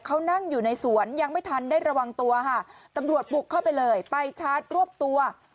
เขานั่งอยู่ในสวนยังไม่ทันได้ระวังตัวค่ะตำรวจบุกเข้าไปเลยไปชาร์จรวบตัว